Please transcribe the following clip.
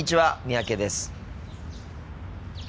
三宅です。